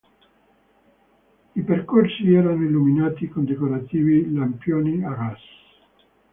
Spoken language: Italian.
I percorsi erano illuminati con decorativi lampioni a gas.